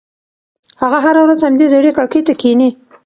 هغه هره ورځ همدې زړې کړکۍ ته کښېني.